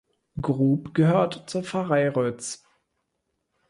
Grub gehört zur Pfarrei Rötz.